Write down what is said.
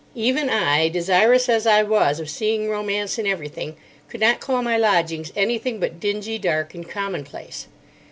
Even I, desirous as I was of seeing romance in everything, could not call my lodgings anything but dingy, dark, and commonplace.